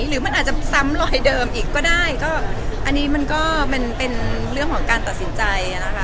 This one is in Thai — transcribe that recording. หรือมันอาจจะซ้ำลอยเดิมอีกก็ได้ก็อันนี้มันก็มันเป็นเรื่องของการตัดสินใจนะคะ